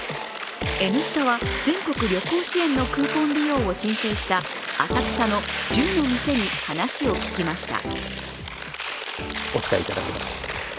「Ｎスタ」は全国旅行支援のクーポン利用を申請した浅草の１０の店に話を聞きました。